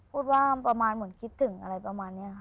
พูดว่าประมาณเหมือนคิดถึงอะไรประมาณนี้ค่ะ